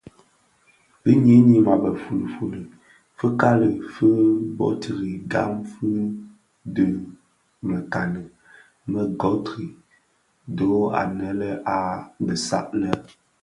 Bi nyinim a be fuli fuli, fikali fi boterri gam fi dhi bi mekani me guthrie dho anë a dhesag lè.